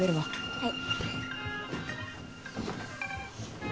はい。